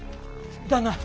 旦那！